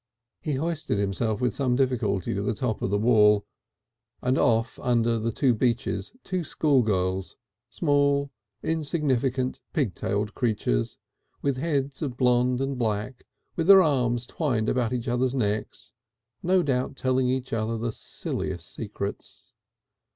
He hoisted himself with some little difficulty to the top of the wall, and saw off under the beech trees two schoolgirls small, insignificant, pig tailed creatures, with heads of blond and black, with their arms twined about each other's necks, no doubt telling each other the silliest secrets.